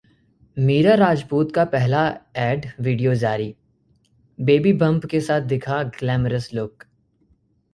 मीरा राजपूत का पहला ad video जारी, बेबी बंप के साथ दिखा ग्लैमरस लुक